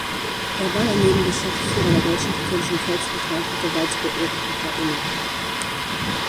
Er war daneben Geschäftsführer der Deutschen Katholischen Volkspartei und hatte weitere Ehrenämter inne.